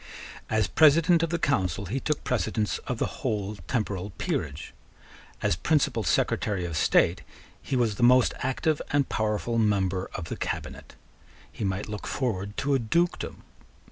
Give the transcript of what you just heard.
As President of the Council he took precedence of the whole temporal peerage. As Principal Secretary of State he was the most active and powerful member of the cabinet. He might look forward to a dukedom.